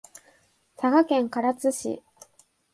佐賀県唐津市